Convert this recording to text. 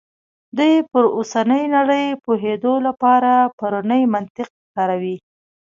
دوی پر اوسنۍ نړۍ پوهېدو لپاره پرونی منطق کاروي.